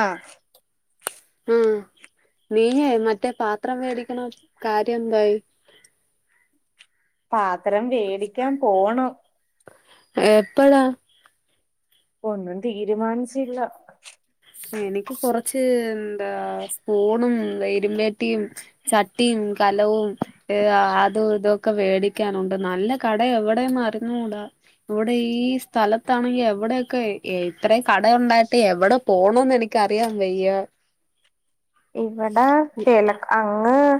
ആ നീ യെ മറ്റേ പാത്രം വേടിക്കുന്ന കാര്യമെന്തായി പാത്രം വേടിക്കാൻ പോണം എപ്പോഴാ ഒന്നും തീരുമാനിച്ചില്ല എനിക്ക് കുറച്ച് എന്താ സ്പൂണും വെരും വെട്ടിയും ചട്ടിയും കലവും അതും ഇതും ഒക്കെ വെടിക്കാൻ ഉണ്ട് നല്ല കടയാണ് ഇവിടെ ഒന്നും അറിഞ്ഞൂടാ ഇവിടെ ഈ സ്ഥലത്താണെങ്കിൽ എവിടെയൊക്കെ ഇത്രയും കട ഉണ്ടായിട്ട് എവിടെ പോണം എന്ന് എനിക്കറിയാൻ വയ്യ ഇവിടെ [unintelligible] അങ്ങ് ആ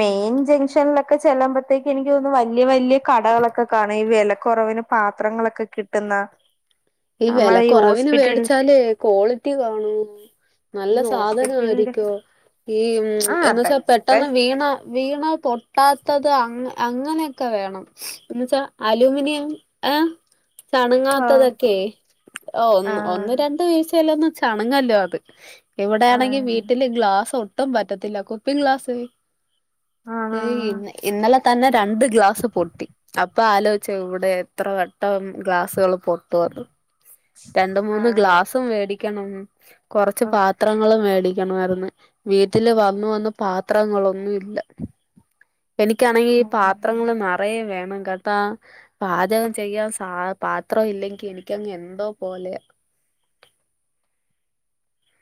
മൈൻ ജംഗ്ഷനിൽ ഒക്കെ ചെല്ലുമ്പത്തേക്ക് എനിക്ക് തോന്നും വലിയ വലിയ കടകൾ ഒക്കെ കാണും ഈ വിലക്കുറവിന് പാത്രങ്ങൾ ഒക്കെ കിട്ടുന്ന ഈ നമ്മളെ വിലക്കുറവിന് ഹോസ്പിറ്റൽ വേടിച്ചാൽ ക്വാളിറ്റി കാണോ നല്ല ഈ സാധനം ഹോസ്പിറ്റലിന്റെ ആയിരിക്കോ ഈ മ്മ് ആഹ് എന്നു വെച്ചാ അതൊക്കെ പെട്ടെന്ന് വീണാ പൊട്ടത്തത് അങ്ങനെ ഒക്കെ വേണം എന്നുച്ചാൽ അലുമിനിയം ആഹ് ചാണങ്ങാത്തത് ഏ ആഹ് ഒന്ന് രണ്ട് വീഴ്ച്ചയിൽ ഒന്നും ചണങ്ങല്ലോ അത് ഇവിടെ ആണെങ്കിൽ ആഹ് വീട്ടിൽ ഗ്ലാസ്‌ ഒന്നും പറ്റത്തില്ല കുപ്പി ഗ്ലാസ്‌ ആണോ ഇന്നലെ തന്നെ രണ്ട് ഗ്ലാസ്‌ പൊട്ടി ഇപ്പൊ ആലോചിച്ച ഇവിടെ എത്ര വെട്ടം ഗ്ലാസുകൾ പൊ [inaudible] രണ്ടും മൂന്നും ആഹ് ഗ്ലാസും വേടി ക്കണം കുറച്ചു പത്രങ്ങൾ വേടി ക്കാനായിരുന്നു വീട്ടിൽ വന്നു വന്നു പാത്രങ്ങൾ ഒന്നും ഇല്ല എനിക്കാണെങ്കിൽ ഈ ആഹ് പാത്രങ്ങൾ നിറയെ വേണം പാചകം ചെയ്യാൻ പാത്രം ഇല്ലെങ്കിൽ എനിക്ക് അങ്ങ് എന്തോ പോലെ പോലെയാ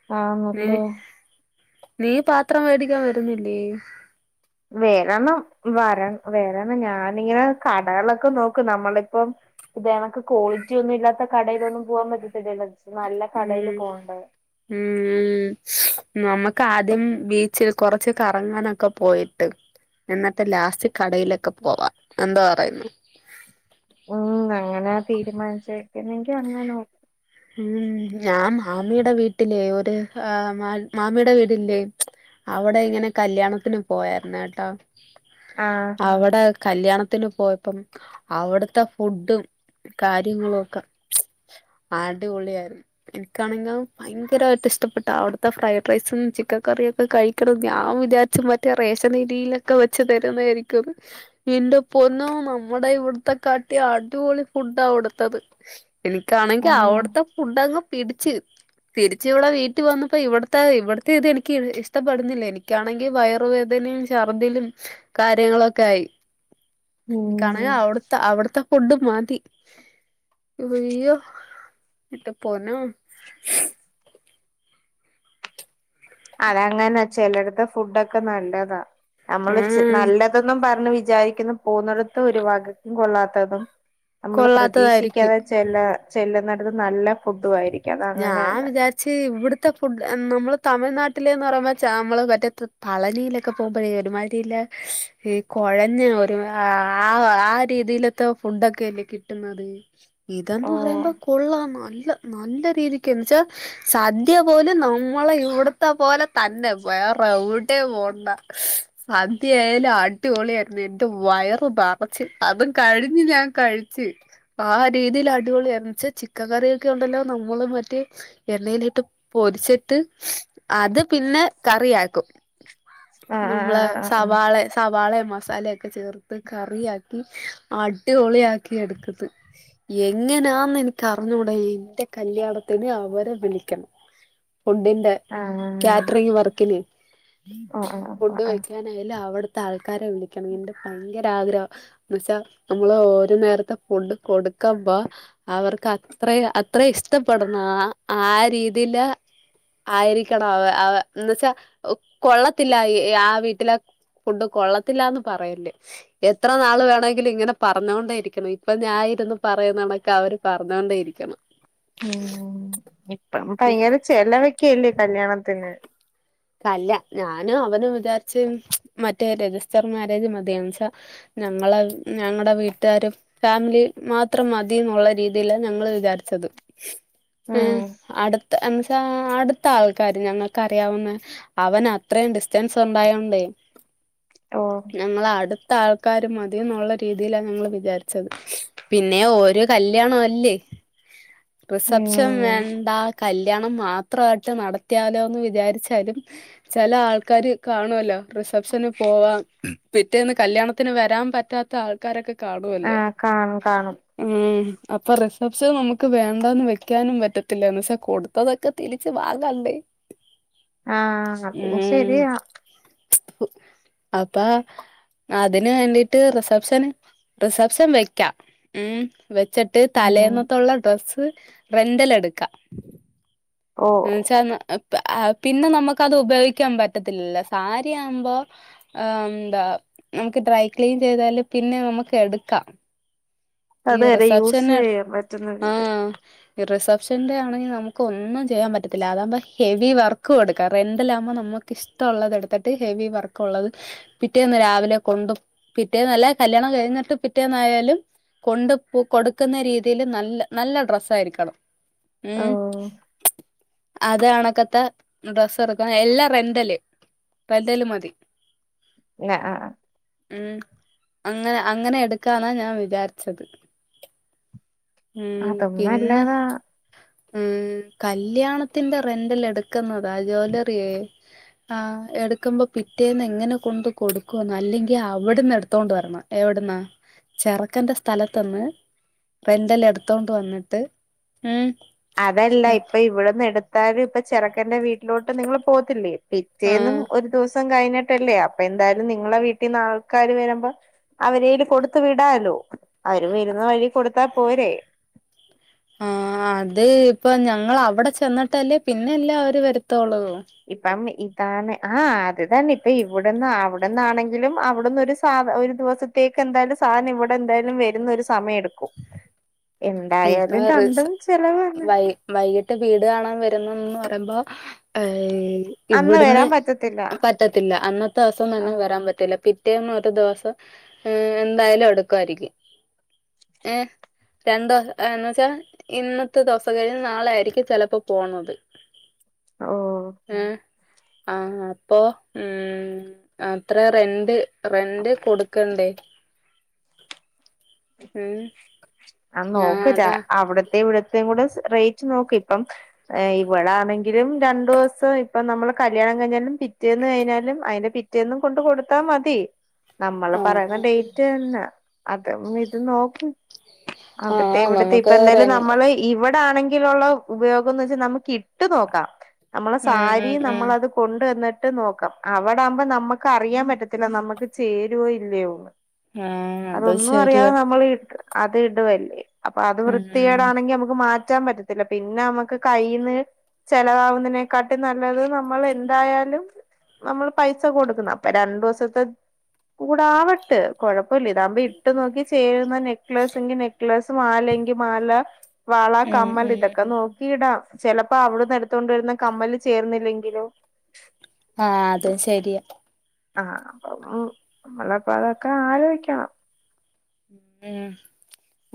ആ നീ നീ പാത്രം വേടിക്കാൻ വരുന്നില്ലേ വെരണം വരണം ഞാൻ ഇങ്ങനെ കടകളിലൊക്കെ നോക്കും ഞമ്മൾ ഇപ്പൊ ഇതിനൊക്കെ ക്വാളിറ്റി ഒന്നും ഇല്ലാത്ത കടയിൽ ഒന്നും പോകാൻ പറ്റത്തില്ലല്ലോ നല്ല മ്മ് കടയിൽ പോകണ്ടേ മ്മ് നമു കാദ്യം ബീച് കുറച്ചു കറങ്ങാൻ ഒക്കെ പോയിട്ട് എന്നിട്ട് ലാസ്റ്റ് കടയിലൊക്കെ പോക എന്ത് പറയുന്നു മ്മ് അങ്ങനെ തീരുമാനിച്ചത് എനിക്ക് അങ്ങനെ മ്മ് ഞാൻ മാമിയുടെ വീട്ടിൽ ഒരു മാമിയുടെ വീട് ഇല്ലേ അവിടെ ഇങ്ങനെ കല്യാണത്തിന് പോയായിരുന്നു കേട്ടോ ആഹ് അവിടെ കല്യാണത്തിന് പോയപ്പം അവിടുത്തെ ഫുഡും കാര്യങ്ങളും ഒക്കെ അടിപൊളിയായിരുന്നു എനിക്കാണെങ്കിൽ ഭയങ്കരമായിട്ട് ഇഷ്ടപ്പെട്ട അവിടുത്തെ ഫ്രൈഡ് റൈസും ചിക്കൻ കറിയും ഒക്കെ കഴിക്കണം ഞാൻ വിചാരിച്ച മറ്റേ റേഷനി ഇരിയിലൊക്കെ വെച്ചു തരുന്നതായിരിക്കും ന്റെ പൊന്നും നമ്മുടെ ഇവിടത്തെ കാട്ടി അടിപൊളി ഫുഡ അവിടുത്തത് എനിക്കാണ ആന്നോ ആവടത്ത ഫുഡ അങ് പിടിച്ച് തിരിച്ച് ഇവിടെ വീട്ടിൽ വന്നപ്പോ ഇവിടത്തെ ഇവിടത്തെ ഇത് എനിക്ക് ഇഷ്ടപ്പെടുന്നില്ല എനിക്കാണെങ്കിൽ വയറുവേദനയും ഛർദിലും കാര്യങ്ങളൊക്കെ ആയി എനിക്കണ ഉം അവിടുത്തെ അവിടുത്തെ ഫുഡ് മാതി അയ്യോ ഇട്ട പൊന്നോ അത അങ്ങനാ ചെിലടത്ത ഫുഡൊക്കെ നല്ലതാ നമ്മള് ച് ഉം നല്ലതൊന്നും പറഞ്ഞ് വി വിചാരിക്കുന്ന പോന്നിടത്ത് ഒരു വാഗക്കും കൊള്ളാത്തതും. നമ്മള് കൊള്ളാത്തതായിരിക്കും പ്രതീക്ഷിക്കാതെ ചെല്ല ചെല്ല ത് നല്ല ഫുഡും ആയിരി ഞാൻ വിചാച്ച് ഇവിടു ത്തെ ഫുഡ് നമ്മള് തമിഴ്നാട്ടിലന്ന് പറയുമ്പോ നമ്മള് മറ്റേ പളനിയിലൊക്കെ പോകുമ്പോഴേ ഒരുമാതിരില്ല ഈ കുഴഞ്ഞ ഒരു ആ ആ രീതിയിലത്തെ ഫുഡൊക്കെല്ലേ കിട്ടുന്നത് ഓ ഇതാന്ന് പറയുമ്പോ കൊള്ളാം നല്ല. നല്ലോരു രീതിക്കെൻച്ചാ സദ്യ പോലും നമ്മളെ ഇവിട്ത്തെ പോലെ തന്നെ. വേറെ എവിടെം പോണ്ട സദ്യയാലു. അടിപൊളിയായിരുന്നു എൻട്ട് വയറ് നറച്ച് അതും കഴിഞ്ഞ് ഞാൻ കഴിച്ച് ആ രീതിയിൽ അടിപൊളിയായിരുന്നു. ച്ചെ ചിക്കൻ കറിയൊക്കെ ഉണ്ടല്ലോ നമ് മെളും മറ്റേ എണ്ണയിലിട്ട് പൊരിച്ചിട്ട്. അത് പിന്നെ, കറിയാക്കും. ആഹ് ആഹ് നമ്മള് ആഹ് ആഹ് ആഹ് സവാളെ സവാള എടു മസാലയെക്കെ ചേർത്ത് കറിയാക്കി അടിപൊളിയാക്കി എടുക്കുന്ന്. എങ്ങനാന്ന് എൻക്കറിഞ്ഞുട എൻ്റെ കല്യാണത്തിന് അവരെ പണിക്കെണം. ഫുഡിന്റെ ആഹ് കാറ്ററിങ് വർക്കില് ആഹ് ആഹ് ആഹ് ഫുഡ് ആഹ് വെക്കാനായാലും അവിട്ത്തെ ആൾക്കാരെ വിളിക്കണം നിന്റെ [unintelligible] ൻ്റാഗ്രഹം ന്തുച്ചാ നമ്മള് ഒരു നേരത്തെ ഫുഡ് കൊട്ക്കുമ്പോ അവർക്ക് അത്രയും അത്രയും ഇഷ്ടപ്പെടുന്ന ആ ആ രീതീല് ആയിരിക്കെണം അവ് അവ എന്നുച്ചാ, കൊള്ളത്തില്ല ആ വീട്ടിലെ ഫുഡ് കൊള്ളത്തില്ലാന്ന് പറയല്ല്. എത്ര നാള് വേണമെങ്കിലും ഇങ്ങനെ പറഞ്ഞേണ്ടേരിക്കണം. ഇപ്പൊ ഞാ ഇരുന്നു പറയുന്നണക്കാ അവര് പറഞ്ഞൊണ്ടേ ഇരിക്കണം. ഉം ഇപ്പഴും പയ്ങ്കര ചേലവെക് ക്കെയല്ലേ കല്യാണത്തിന്. അല്ല ഞാനും അവനും വിചാരിച്ച് മറ്റേ രജിസ്റ്റർ മാരേജ് മതിയെന്ന് ച്ചാ, ഞങ്ങളെ ഞങ്ങടെ വീട്ടാരും ഫാമിലി മാത്രം മതിന്നുള്ള രീതിൽ ഞങ്ങള് വിചാരിച്ചെത്. ഉം അടുത്ത് എന്ന്ച്ചാ അടുത്ത ആൾക്കാര് ഞങ്ങൾക്കറിയാവുന്ന. അവന് അത്രയും ഡിസ്റ്റൻസ് ഉണ്ടായോണ്ടേ. ഓഹ് ഞങ്ങള അടുത്ത ആൾ ക്കാര് മതി ന്നുള്ള രീതിലാ ഞങ്ങൾ വിചാരിച്ചെത് പിന്നെ ഒര് കല്യാണല്ലേ. റിസപ്ഷൻ ഉം വേണ്ടാ കല് കല്യാണം മാത്രയിട്ട് നടത്തിയാലോ എന്ന് വിചാരിച്ച്. ചില ആൾക്കാര് കാണുല്ലോ റിസപ്ഷന് പോവാം പിറ്റേന്ന് കല്യാണത്തിന് വരാൻ പറ്റാത്ത ആൾക്കാരൊക്കെ കാണുംല്ലേ ആഹ് കാണും കാണും ആ അപ്പൊ റിസപ്സ് നമുക്ക് വേണ്ടന്ന് വെക്കാനും പറ്റത്തില്ല എന്ന് വച്ചാ കൊടുത്തതൊക്കെ തിരിച്ച് വാങ്ങണ്ടേ ആഹ് അതും ഉം ശരിയാ അപ്പ അതിന് വേണ്ടീട്ട് റിസപ്ഷന് റിസപ്ഷൻ വെക്കാം ഉം വെച്ചിട്ട് ഉം തലേന്നത്തുള്ള ഡ്രസ്സ് റെന്റൽ എടുക്ക ഓഹ് ഉം ചെന്ന് ആ പിന്നെ നമുക്കത് ഉപയോഗിക്കാൻ പറ്റത്തില്ലല്ലാ സാരിയാവുംമ്പോ അം എന്താ നമുക്ക് ഡ്രൈ ക്ലീൻ ചെയ്താല് പിന്നെ നമുക്ക് എടുക്കാം ഈ അത് വരെ യൂസ് റിസപ്ഷന് ചെയ്യാൻ പറ്റുന്ന രീതി ആഹ് റിസപ് ഷന്റെ ആണെങ്കിൽ നമുക്ക് ഒന്നും ച്ചെ ചെയ്യാൻ പറ്റത്തില്ല അതാമ്പോ ഹെവി വർക്ക് കൊടു കാർ രന്റാലമ്പൊ നമുക്ക് ഇഷ്ടമുള്ളത് എടുത്തിട്ട് ഹെവി വർക്ക്ള്ളത് പിറ്റേന്ന് രാവിലെ കൊണ്ട് പിറ്റേന്നല്ല കല്യാണം കഴിഞ്ഞിട്ട് പിറ്റേന്നായാലും കൊണ്ട് കൊടുക്കുന്ന രീതിൽ നല്ല നല്ല ഡ്രസ്സരിക്കണം ഉം ഓഹ് അത് അണക്കത്ത ഡ്രസ് എടുക്കാൻ എല്ലാം റെന്റല് റെന്റല് മതി ന അ ആ ഉം അങ്ങനെ അങ്ങനെ എടുക്കാന ഞാൻ വിചാരിച്ചത് ഉം അതും പിന്നെ നല്ലാതാ ഉം കല്യാണത്തിന്റെ റെന്റൽ എടുക്ക്ന്ന ആ ജോലറിയേ ആഹ് എടുക്കുമ്പോ പിറ്റേന്ന് എങ്ങനെ കൊണ്ട് കൊടുക്കുവന്ന് അല്ലെങ്കി അവിട്ന്ന് എടുത്തോണ്ട് വരണം എവിടുന്നാ ചെറക്കന്റെ സ്ഥലത്ത്ന്ന് റെന്റൽ എടുത്തോണ്ട് വന്നിട്ട് ഉം തല്ല ഇപ്പൊ ഇവിടെന്ന് എട് ത്താലും ഇപ്പ ചെറക്കന്റെ വീട്ടിലോട്ട് നിങ്ങള്ൾ പോത്തില്ലിയോ ആഹ് പിറ്റേന്നും ഒരു ദിസം കഴി ട്ടല്ലേ അപ്പൊ എന്തായാലും നിങ്ങളെ വീട്ടീന്ന് ആൾക്കാാര് വരുമ്പോ അവരയില് കൊടുത്ത് വിടാലോ അവര് വരുന്ന വഴി കൊടുത്താ പോരെ ആ അത് ഇപ്പൊ ഞങ്ങൾ അവിടെ ചെന്നിട്ടല്ലേ പിന്നല്ല അവര് വരുത്തോള് ഇപ്പം ഇ അനേ ആഹ് അത് തന്നെ ഇപ്പൊ ഇവിടന്ന് അവിടന്നാണെങ്കിലും അവിടന്ന് ഒരു സാധ ഒരു ദിവസത്തേക്ക് എന്തായാലും സാധനം ഇവിടെ എന്തായാലും വരുന്ന ഒരു സമയം എടുക്കും ഇപ്പൊ എന്തായാലും റിസ രണ്ടും ചെലവാണ് വൈ വൈകിട്ട് വീട് കാണാൻ വരുന്നന്ന് പറയുമ്പോ ഐ അന്ന് ഇവിടുന്ന് വരാൻ പറ്റത്തില്ല പറ്റത്തില്ല അന്നത്തേസം ആ തന്നെ വരാൻ പറ്റൂല്ല പി പിറ്റേന്ന് ഒരു ദിവസം ഏ എന്തായാലും എടുക്കുവായിരിക്കും ഏ രണ്ടു ഓ [unintelligible] [unintelligible] [unintelligible] [unintelligible] [inaudible] ഞാൻ അതാ [inaudible] [inaudible] ആഹ് [inaudible] [inaudible] [inaudible] ആഹ് നമുക്ക് റെ ആണെങ്കിലുള്ള ഉപയോഗംന്ന് വെച്ചാ നമുക്ക് ഇട്ട് നോക്കാ. നമ്മളെ ഉം ഉം സാരിയും ഉം നമ്മളത് കൊണ്ട് വന്ന് ട്ട് നോക്കാം അവടാകുമ്പോ നമുക്ക് അറിയാൻ പറ്റത്തില്ല നമ്മുക്ക് ചേരുവോ ഇല്ലയോന്ന്. ആഹ് അത് അതൊന്നും അറിയാതെ ശരിയാ നമ്മളീ ഇ അത് ഇടുവല്ലേ. അപ്പൊ അത് ഉം വൃത്തികേടാണെങ്കി നമുക്ക് മാ റ്റാൻ പറ്റത്തില്ല പിന്നെ നമ്മുക്ക് കയ്യിന്ന് ചെലവാവുന്നതിനെക്കാട്ടി നല്ലത് നമ്മൾ എന്തായാലും നമ്മൾ പൈസ കൊടുക്കണം അപ്പൊ രണ്ട് ദിവസത്തെ കൂടെആവട്ട് കൊഴപ്പല്ല ഇതകുമ്പോ ഇട്ട് നോക്കി ചേരുന്നതിന് നെക്ലൈസെങ്കി നെക്ലൈസ് മാലെങ്കി മാല വള ഉം കമ്മൽ ഉം ഇതൊക്കെ നോക്കിയിടാ. ചെലപ്പോ അവിടുന്ന് എടുത്തോണ്ട് വരുന്ന കമ്മല് ചേർന്നില്ലെങ്കിലോ? ആ അതും ശെരിയാ. ആ അപ്പൊ ഉം നമ്മളപ്പൊ അതൊക്കെ ആലോചിക്കണം. ഉം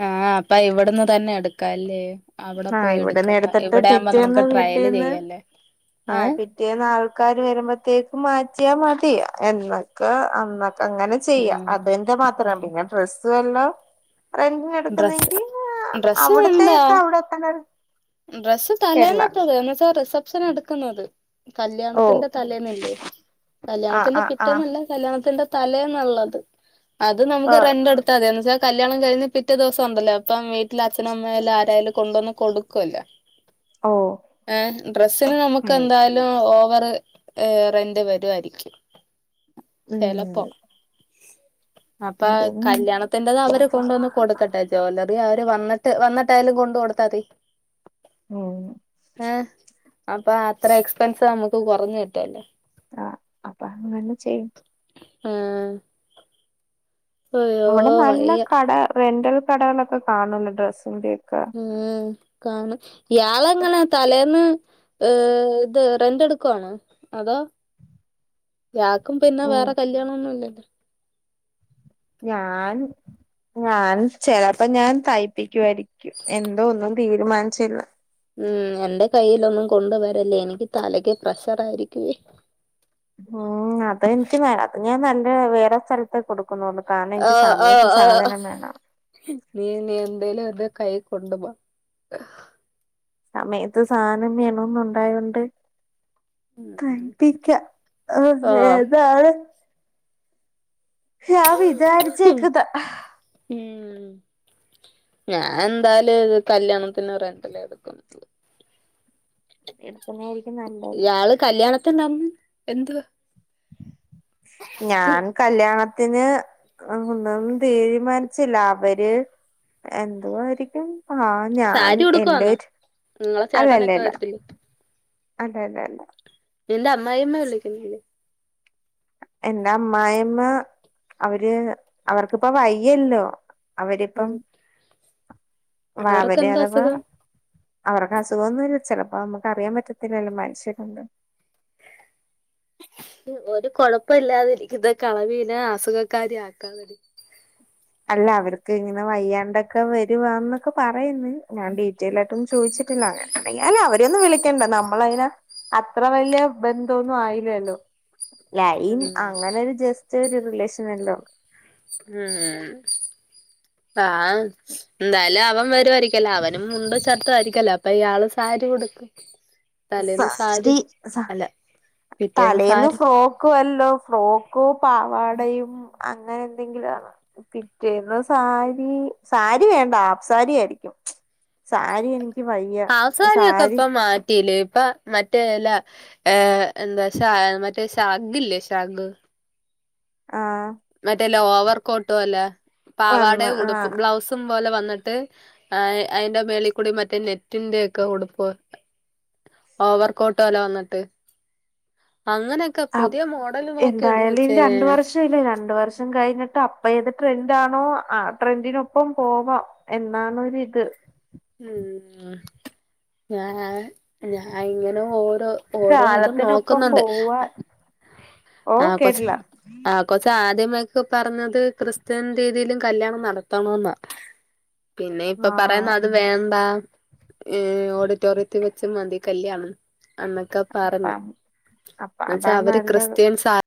ആ അപ്പം ഇവിടന്ന് തന്നെ എടുക്കാല്ലേ. അവിടെ ആഹ് പോയി ഇവിടെന്ന് എടുക്കണ്ട എടുത്തിട്ട് ഇവിടെയാകുമ്പോ നമുക്ക് ട്രയല് ചെയ്യാല്ലേ. ആ പിറ്റേന്ന് ആൾക്കാര് വരുമ്പോ അത്തേക്ക് മാറ്റിയാൽ മതി എന്നൊക്കെ അന്ന് അങ്ങനെ ചെയ്യാ ഉം അതന്റെ ഉം മാത്രം പിന്നെ ഡ്രസ് അതുവല്ലാ റെന്റി ഡ്രസ്സ് എടുക്കുന്നെങ്കി ഡ്രസ്സ് അവിടത്തേ എന്താ ഒക്കെ അവിടെ ത്തന്നെ ഡ്രസ്സ് കേരള തലേന്നത്തത് എന്ന് വെച്ചാ റിസപ്ഷൻ എടുക്കുന്നത് കല്യാണത്തിന്റെ തലേന്നല്ലേ ആഹ് കല്യാണത്തിന്റെ ആഹ് ആഹ് പിറ്റേന്നല്ല കല്യാണത്തിന്റെ തലേന്ന്ള്ളത്. അത് നമുക്ക് ആഹ് റെണ്ട് എടുത്താൽ മതി എന്ന് വെച്ചാൽ കല്യാണം കഴിഞ്ഞ് പി റ്റേ ദിവസം ഉണ്ടല്ല അപ്പം ഇ ട്ട അച്ഛനമ്മേയും ആരായാലും കൊണ്ടുവന്ന് കൊടു കൊല്ല ഓഹ് ഏ ഡ്രസ്സിന് നമുക്ക് എന്തായാലും ഓ അവറ് ഏ റെന്റെ വരുവായിരിക്കും ചിലപ്പോ ഉം അപ്പൊ ഉം കല്യാണത്തിന്റത് അവരെ കൊണ്ടുവന്ന് കൊടുക്കട്ടെ ജ്വലറി അവര് വന്നി ട്ട് വന്നിട്ടായാലും കൊണ്ട കൊടുത്താതി ഉം ആഹ് അപ്പൊ അത്ര എക്സ്പെൻസ് നമ്മ ഇപ്പ കുറഞ്ഞകിട്ടല്ലേ ആഹ് അപ്പൊ അങ്ങനെ ചെയ്യും ആഹ് അയ്യോ ഇവിടെ നല്ല വയ്യ കട റെന്റൽ കടകളൊക്കെ കാണൊല്ലോ ഡ്രസ്സിന്റെ ഉം കാണ യാള ങ്ങന തലേന്ന് ഈഹ് ഇത് റെന്റ് എടുക്കുവാണ അതോ യാക്കും പിന്നെ ഉം വേറെ കല്യാണന്നുല്ലേ ഞാൻ ഞാൻ ചെലപ്പോ ഞാൻ തയ്പ്പിക്കുവായിരിക്കും എന്തോ ഒന്നും തീരുമാനിച്ചില്ല ഉം എൻറെ കയ്യിലൊന്നും കൊണ്ട് വരല്ലേ എനിക്ക് തലക്ക് പ്രഷർ ആയിരിക്കുവെ ഉം അത എനിക്ക് അത് ഞാൻ നല്ല വേറെ സ്ഥലത്തെ കൊടുക്കു ഓഹ് ഓഹ് ഓഹ് വേണം നീ ഇനി എന്തേലും ഒന്ന് കൈ കൊണ്ട് ബാ സമയത്ത് സാധനം വേണൊന്നൊണ്ടായൊണ്ട് ആഹ് [unintelligible] ഞാ വിചാരിച്ചേക്കന്ന ഉം ഞാൻ എന്തായാലും കല്യാണത്തിന് റെന്റിലാ എടുക്കുന്നത് എടുക്കുന്നായിരിക്കും നല്ലത് ഇ നമ് എന്തുവ ഞാൻ കല്യാണ ത്തിന് ഒന്നും തീരുമാനിച്ചില്ല അവര് എന്തുവായിരിക്കും ആഹ് ഞാൻ സാരി ഉടുക്കുവാന്നോ എന്റെര് നിങ്ങളെ ചേട്ടനൊക്കെ അല്ലല്ലല്ല വരത്തില്ലേ അതെ അതെ അതെ എന്റെ അമ്മായിയമ്മ വിളിക്കണെണ് എന്റെ അമ്മായി അമ്മ അവര് അവർക്കിപ്പോ വയ്യല്ലോ അവരിപ്പം അവര് അവർക്കെന്താ അഥവാ അസുഖം അവർക്ക് അസുഖൊന്നുല്ല ചിലപ്പോ ഞമ്മക്ക് അറിയാൻ പറ്റത്തില്ലല്ലോ മനുഷ്യരല്ലേ ഒരു കുഴപ്പല്ലാതിരിക്കുന്ന കെളവീനെ അസുഖക്കാരി ആക്കാതെടീ അല്ലാ അവർക്ക് ഇങ്ങനെ വയ്യാണ്ടൊക്കെ വരുവാന്നൊക്കെ പറ പറയുന്നു ഞാൻ ഡീറ്റെയ്ലായിട്ട് ഒന്നും ചോദിച്ചിട്ടില്ല അങ്ങനെ അല്ല അവരെയൊന്നു വിളി [unintelligible] നമ്മൾ അയിന് അത്ര വല്യ ബന്ധോന്നും ആയില്ലല്ലോ ലൈൻ ഉം അങ്ങനെ ഒരു ജസ് [unintelligible] ഒരു റിലേഷനുണ്ടോ ഉം ആ എന്തായാലും അവൻ [unintelligible] അവനും മുണ്ടും ഷർട്ടായിരിക്കല്ല അയാള് സാരി ഉടുക്കും സാരി സ അല്ല പിറ്റേന്ന് തലേന്ന് സാരി ഫ്രോക്കു വ [unintelligible] ഫ്രോക്കൊ പാവാടയും അങ്ങനെന്തെങ്കിലും ആ പിറ്റേന്ന് സാരി സാരി വേണ്ട ഹാഫ് സാരി ആരിക്കും ഹാഫ് സാരിയൊക്കെ സാരി ഇപ്പൊ മാറ്റിലെ ഇപ്പ മറ്റേ ല ഏ എന്താ ചാ മറ്റേ ഷാ ഇതില്ലേ ശാഗ് ആഹ് മറ്റേ [unintelligible] ഓവർ കോട്ട് പോല വന്ന് പാവാടയും ഉടുപ്പും ആഹ് ബ്ലൗസും പോലെ വന്നി ട്ട് അതിന്റെ മേലെക്കൂടി മറ്റെ നെറ്റിന്റെ ഒക്കെ ഉടുപ്പ് ഓവർകോട്ടോലെ വന്നിട്ട് അങ്ങനെയൊക്കെ അപ് പുതിയ മോഡൽ നോക്കിയെട് എന്തായാലും ഇനി കൊച്ചേ രണ്ട് വർഷംല്ലേ [unintelligible] കഴിഞ്ഞിട്ട് അപ്പം ഏത് ട്രെൻഡാണോ ആ ട്രെൻഡിനൊപ്പം പോവാ എന്നാണൊരിത് ഉം ഞാനു ഞാൻ ഇങ്ങനെ ഓ [unintelligible] ഓരോ ഇത് കാലത്തിനൊപ്പം നോക്കുന്നുണ്ട് പോവാ അ ഓ ആ കേട്ടില്ല [unintelligible] ആ [unintelligible] ഇതേ മാതിരിക് പറഞ്ഞത് ക്രിസ്ത്യൻ രീതിയില് കല്യാണം നടത്തണോന്നാ പിന്നെ ഇപ്പ ആഹ് പറയുന്നത് അത് വേണ്ട ഏ ഓഡിറ്റോറിയത്തിൽ വച്ച് മതി കല്യാണം എന്നൊക്കെ പറഞ്ഞ് അപ്പം അപ്പ എന്നുവച്ചാ അതാ അവര് കൃ നല്ലത് [unintelligible]